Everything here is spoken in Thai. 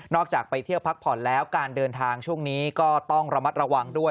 จากไปเที่ยวพักผ่อนแล้วการเดินทางช่วงนี้ก็ต้องระมัดระวังด้วย